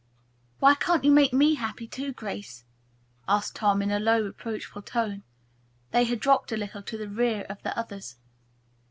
"Why can't you make me happy too, Grace?" asked Tom in a low, reproachful tone. They had dropped a little to the rear of the others.